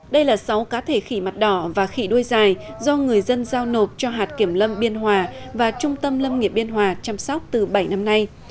đây là sáu cá thể khỉ mặt đỏ và khỉ đuôi dài do người dân giao nộp cho hạt kiểm lâm biên hòa và trung tâm lâm nghịa biên hòa chăm sóc từ bảy năm nay